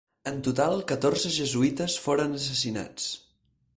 En total catorze jesuïtes foren assassinats.